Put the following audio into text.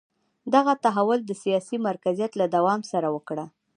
دغه تحول د سیاسي مرکزیت له دوام سره مرسته وکړه.